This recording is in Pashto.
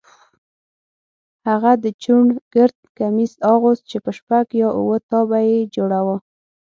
هغه د چوڼ ګرد کمیس اغوست چې په شپږ یا اووه تابه یې جوړاوه.